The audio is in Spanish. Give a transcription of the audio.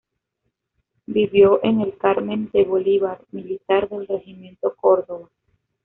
Vivió en El Carmen de Bolívar militar del Regimiento Córdoba.